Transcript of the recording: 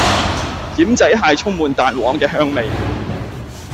奄仔蟹充滿蛋黃嘅香味